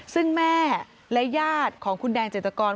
ซึ่งแม่และญาติของคุณแดงเจตกร